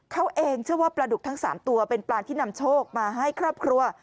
เขาเองเชื่อว่าปลาดุกทั้ง๓ตัวเป็นปลาที่นำโชคมาให้ครอบครัว